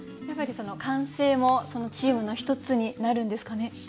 やっぱりその歓声もチームの一つになるんですかね？